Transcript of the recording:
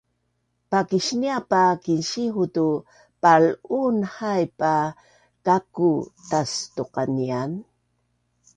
Pakisniap a Kinsihu’ tu pal’uun haip a kaku’ tastuqanian